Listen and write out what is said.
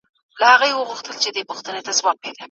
کُنت غوښتل چي ټولنه منظمه سي.